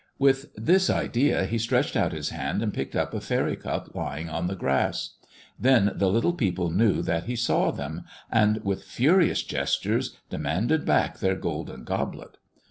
With this idea he stretched out his hand and picked up a faery cup lying on the grass. Then the little people knew that he saw them, and with furious gestures demanded back their golden goblet.